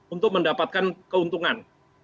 untuk mendapatkan keuntungan